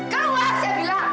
keluar saya bilang